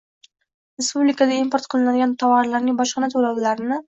Respublikaga import qilinadigan tovarlarning bojxona to’lovlarini